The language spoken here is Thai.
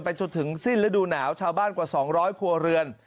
จนถึงสิ้นฤดูหนาวชาวบ้านกว่า๒๐๐ครัวเรือน